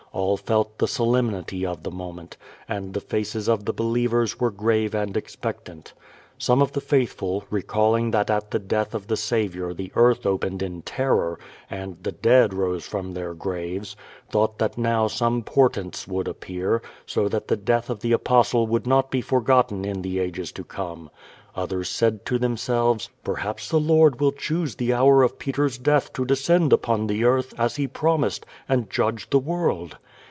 All felt the solemnity of the moment, and tlfte faces of the believers were grave and expectant. Some of the faithful, recalling that at the death of the Saviour the earth opened in terror, and the dead rose from their graves, thought that now some portents would appear, so that the death of the Apostle would not be forgotten in the ages to come. Others said to themselves, "Perhaps the Lord will choose the hour of Peter's death to descend upon the earth, as He promised, and judge the world."